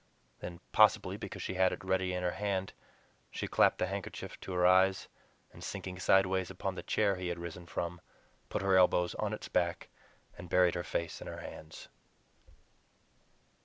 Then, possibly because she had it ready in her hand, she clapped the handkerchief to her eyes, and sinking sideways upon the chair he had risen from, put her elbows on its back, and buried her face in her hands.